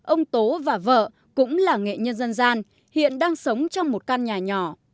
ông tố và vợ cũng là nghệ nhân dân gian hiện đang sống trong một căn nhà nhỏ